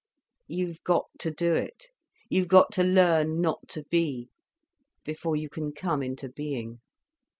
You've got to do it. You've got to learn not to be, before you can come into being.